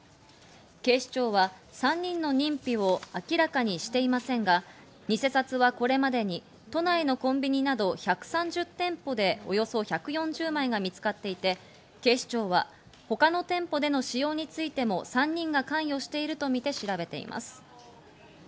警視庁は３人の認否を明らかにしていませんが、偽札はこれまでに都内のコンビニなど１３０店舗でおよそ１４０枚が見つかっていて、警視庁は他の店舗での使用についても３人が関与しているとみて調べています。